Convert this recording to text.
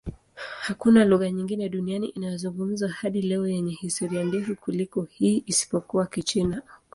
Hakuna lugha nyingine duniani inayozungumzwa hadi leo yenye historia ndefu kuliko hii, isipokuwa Kichina.